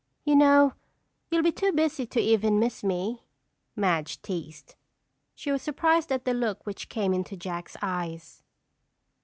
"You know you'll be too busy to even miss me," Madge teased. She was surprised at the look which came into Jack's eyes.